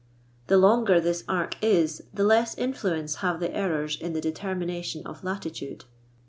The longer this arc is the less influence have the errors in the deter mination of latitude.